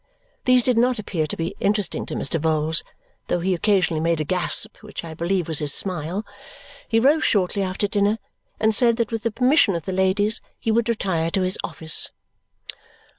These did not appear to be interesting to Mr. Vholes, though he occasionally made a gasp which I believe was his smile. He rose shortly after dinner and said that with the permission of the ladies he would retire to his office.